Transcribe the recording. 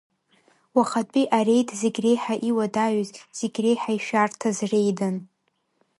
Уахатәи ареид зегь реиҳа иуадаҩыз, зегь реиҳа ишәарҭаз реидын.